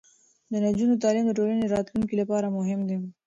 د نجونو تعلیم د ټولنې راتلونکي لپاره مهم دی.